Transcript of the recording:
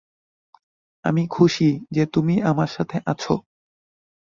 আমি খুশি যে তুমি আমার সাথে আছ।